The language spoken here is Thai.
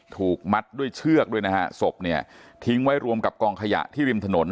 ถูกมัดด้วยเชือกด้วยนะฮะศพเนี่ยทิ้งไว้รวมกับกองขยะที่ริมถนน